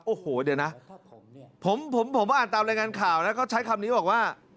โอ้โหเดี๋ยวนะผมผมอ่านตามรายงานข่าวนะเขาใช้คำนี้บอกว่า